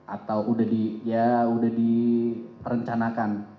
atau ya sudah direncanakan